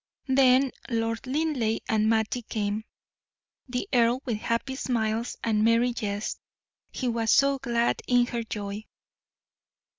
Then Lord Linleigh and Mattie came. The earl with happy smiles and merry jests; he was so glad in her joy.